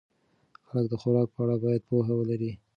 خلک د خوراک په اړه باید پوهه ولري.